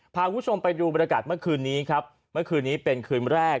พาผู้ชมไปดูบรรษากาศเมื่อคืนนี้เป็นคืนแรก